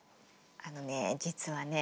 あのね実はね